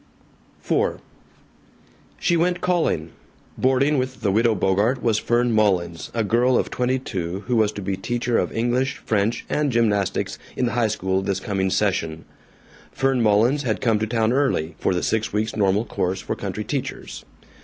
IV She went calling. Boarding with the Widow Bogart was Fern Mullins, a girl of twenty two who was to be teacher of English, French, and gymnastics in the high school this coming session. Fern Mullins had come to town early, for the six weeks normal course for country teachers.